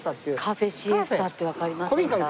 カフェシエスタってわかりませんか？